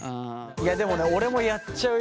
いやでもね俺もやっちゃうよ。